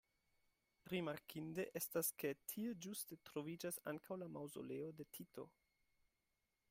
Rimarkinde estas ke tie ĝuste troviĝas ankaŭ la maŭzoleo de Tito.